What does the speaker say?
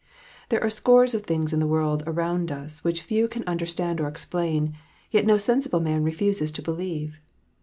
There are scores of things in the world around us, which few can understand or. explain, yet no sensible man refuses to believe.